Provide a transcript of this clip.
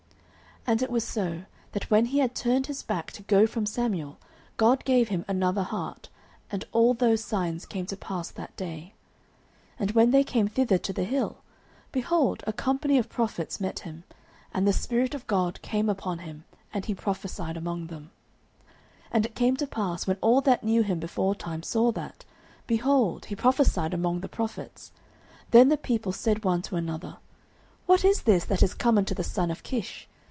09:010:009 And it was so, that when he had turned his back to go from Samuel, God gave him another heart: and all those signs came to pass that day. 09:010:010 And when they came thither to the hill, behold, a company of prophets met him; and the Spirit of God came upon him, and he prophesied among them. 09:010:011 And it came to pass, when all that knew him beforetime saw that, behold, he prophesied among the prophets, then the people said one to another, What is this that is come unto the son of Kish?